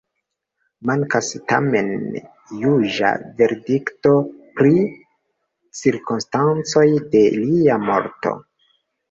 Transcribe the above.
Mankas tamen juĝa verdikto pri cirkonstancoj de lia morto.